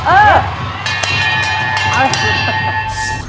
เออ